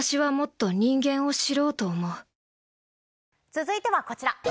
続いてはこちら。